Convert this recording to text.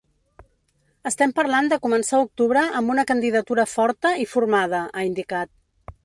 Estem parlant de començar octubre amb una candidatura forta i formada, ha indicat.